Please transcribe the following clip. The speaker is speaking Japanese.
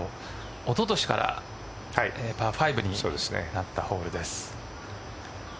おととしからパー５になったホールです。